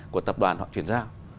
của tập đoàn họ chuyển ra